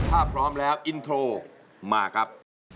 ถ้าพร้อมแล้วอินโทรมาครับ